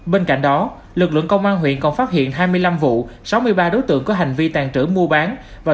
bên cạnh đó lực lượng công an huyện còn phát hiện hai mươi năm vụ sáu mươi ba đối tượng có hành vi tàn trữ mua bán và